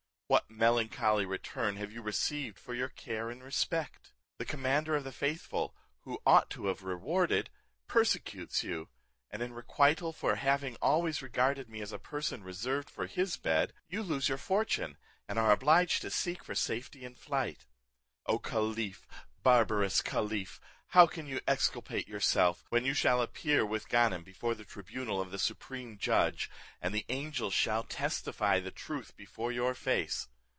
What melancholy return have you received for your care and respect? The commander of the faithful, who ought to have rewarded, persecutes you; and in requital for having always regarded me as a person reserved for his bed, you lose your fortune, and are obliged to seek for safety in flight. O caliph, barbarous caliph, how can you exculpate yourself, when you shall appear with Ganem before the tribunal of the Supreme Judge, and the angels shall testify the truth before your face?